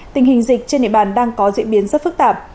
tình hình dịch trên địa bàn đang có diễn biến rất phức tạp